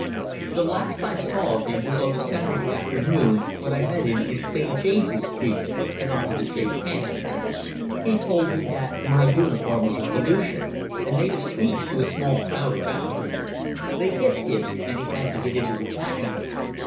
The last I saw of him was on the Saturday afternoon when I met him in St James's Street and offered to shake hands. He told me that my uniform was a pollution, and made a speech to a small crowd about it. They hissed him and he had to get into a taxi.